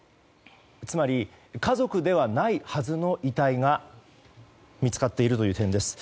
つまり家族ではないはずの遺体が見つかっているという点です。